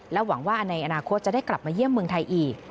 หวังว่าในอนาคตจะได้กลับมาเยี่ยมเมืองไทยอีก